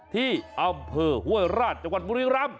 ที่อำเภอหัวราชจังหวัดบริรัมณ์